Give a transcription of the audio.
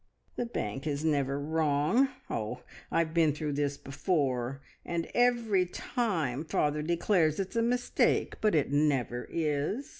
"The bank is never wrong! Oh, I've been through this before, and every time father declares it's a mistake, but it never is!